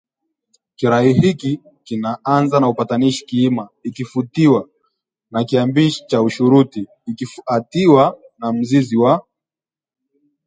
kirai hiki kinaanza na upatanishi kiima ikifutiwa na kiambishi cha ushuruti ikifuatiwa na mzizi wa